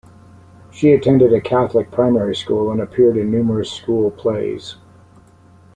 She attended a Catholic primary school and appeared in numerous school plays.